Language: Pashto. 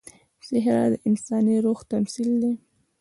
صحرا د انساني روح تمثیل دی.